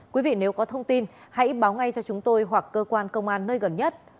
quý vị nếu có thông tin hãy báo ngay cho chúng tôi hoặc cơ quan công an nơi gần nhất